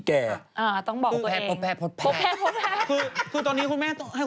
อ้าวต้องบอกตัวเอง